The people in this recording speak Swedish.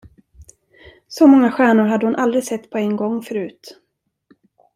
Så många stjärnor hade hon aldrig sett på en gång, förut.